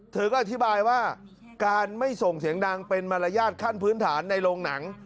เธอก็อธิบายว่าการไม่ส่งเสียงดังเป็นมารยาทขั้นพื้นฐานในโรงหนัง